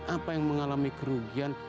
apa yang mengalami kerugian